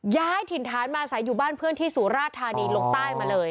ย้ายถิ่นฐานมาอาศัยอยู่บ้านเพื่อนที่สุราชธานีลงใต้มาเลย